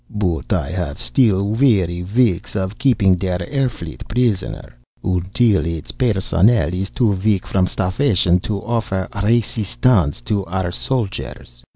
But I haff still weary weeks of keeping der air fleet prisoner, until its personnel iss too weak from starfation to offer resistance to our soldiers.